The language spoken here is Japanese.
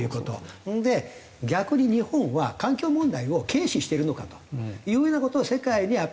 それで逆に日本は環境問題を軽視しているのかというような事を世界にアピールする。